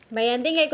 mbak yanti gak ikut